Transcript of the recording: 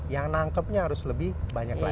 yang nangkepnya harus lebih banyak lagi